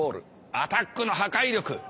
アタックの破壊力。